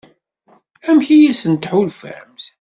Amek i asen-tḥulfamt?